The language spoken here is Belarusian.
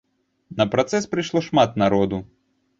На працэс прыйшло шмат народу.